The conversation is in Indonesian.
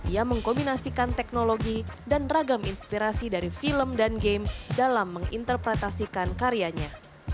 yang mengkombinasikan teknologi dan ragam inspirasi dari film dan game dalam menginterpretasikan karyanya